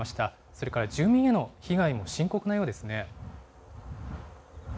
それから住民への被害も深刻なようですね。